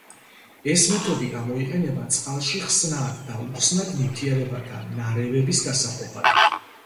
ეს მეთოდი გამოიყენება წყალში ხსნად და უხსნად ნივთიერებათა ნარევების გასაყოფად.